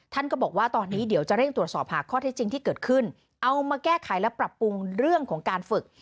ท่านก็บอกว่าตอนนี้เดี๋ยวจะเร่งตรวจสอบหาข้อเท็จจริงที่เกิดขึ้นเอามาแก้ไขและปรับปรุงเรื่องของการฝึก